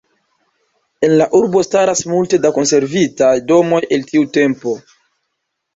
En la urbo staras multe da konservitaj domoj el tiu tempo.